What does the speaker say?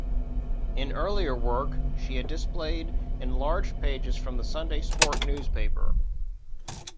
In earlier work, she had displayed enlarged pages from the "Sunday Sport" newspaper.